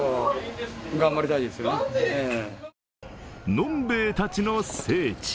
飲んべえたちの聖地・